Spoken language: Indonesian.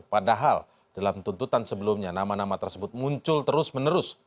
padahal dalam tuntutan sebelumnya nama nama tersebut muncul terus menerus